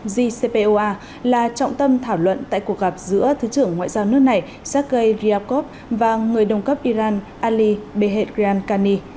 gcpoa là trọng tâm thảo luận tại cuộc gặp giữa thứ trưởng ngoại giao nước này sergei ryabkov và người đồng cấp iran ali beherkhani